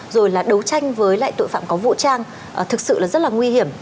rồi là đấu tranh với loại tội phạm có vũ trang thực sự là rất là nguy hiểm